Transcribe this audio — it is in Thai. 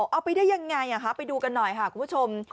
เอาไปได้ยังไงไปดูกันหน่อยค่ะคุณผู้ชม